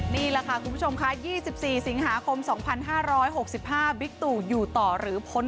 นี่แหละค่ะคุณผู้ชมค่ะ๒๔สิงหาคม๒๕๖๕บิ๊กตู่อยู่ต่อหรือพ้น